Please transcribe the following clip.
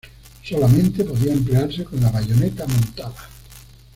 Solamente podía emplearse con la bayoneta montada.